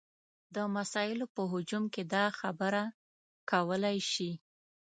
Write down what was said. د مسایلو په هجوم کې دا خبره کولی شي.